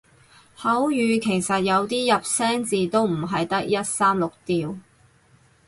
口語其實有啲入聲字都唔係得一三六調